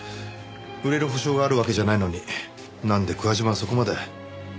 売れる保証があるわけじゃないのになんで桑島はそこまで。